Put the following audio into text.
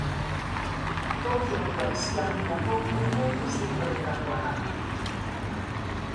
Tokioko aisialdirako gune gustukoenetakoa da.